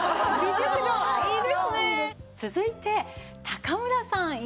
続いて高村さん